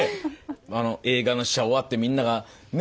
あの映画の試写終わってみんながね